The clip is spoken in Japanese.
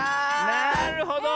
なるほど。